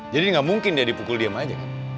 jadi gak mungkin dia dipukul diam aja kan